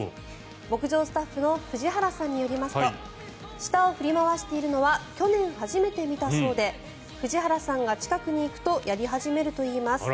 牧場スタッフの藤原さんによりますと舌を振り回しているのは去年初めて見たそうで藤原さんが近くに行くとやり始めるといいます。